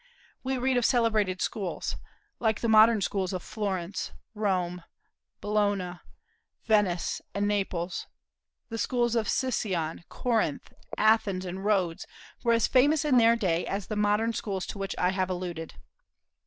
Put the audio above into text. We read of celebrated schools, like the modern schools of Florence, Rome, Bologna, Venice, and Naples. The schools of Sicyon, Corinth, Athens, and Rhodes were as famous in their day as the modern schools to which I have alluded.